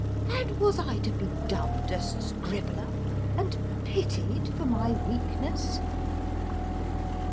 And was I to be dubbed a scribbler, and pitied for my weakness